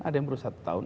ada yang perlu satu tahun